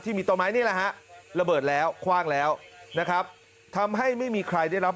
ที่มีต้นไม้ระเบิดแล้วแขว่งแล้วนะครับทำให้ไม่มีใครได้รับ